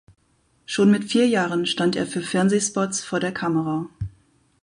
Schon mit vier Jahren stand er für Fernsehspots vor der Kamera.